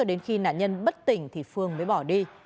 đến khi nạn nhân bất tỉnh thì phương mới bỏ đi